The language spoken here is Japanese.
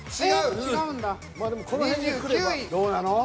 どうなの？